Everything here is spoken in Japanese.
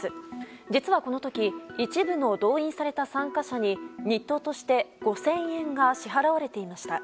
実は、この時一部の動員された参加者に日当として５０００円が支払われていました。